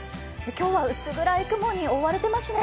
今日は薄暗い雲に覆われていますね。